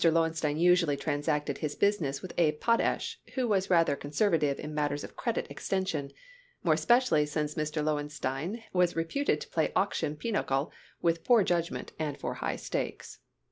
Lowenstein usually transacted his business with Abe Potash, who was rather conservative in matters of credit extension, more especially since Mr. Lowenstein was reputed to play auction pinochle with poor judgment and for high stakes.